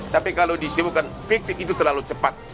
tapi kalau disebutkan fiktif itu terlalu cepat